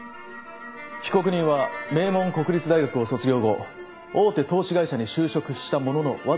被告人は名門国立大学を卒業後大手投資会社に就職したもののわずか半年で退職。